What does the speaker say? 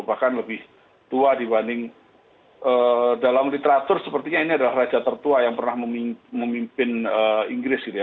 bahkan lebih tua dibanding dalam literatur sepertinya ini adalah raja tertua yang pernah memimpin inggris gitu ya